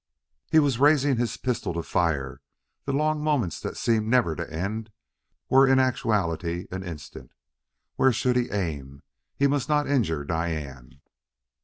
He was raising his pistol to fire; the long moments that seemed never to end were in actuality an instant. Where should he aim? He must not injure Diane.